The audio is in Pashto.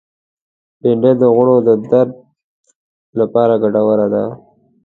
بېنډۍ د غړو د درد لپاره ګټوره ده